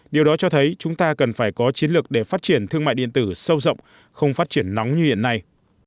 điều đó cho thấy chúng ta cần phải có chiến lược để phát triển thương mại điện tử sâu rộng không phát triển nóng như hiện nay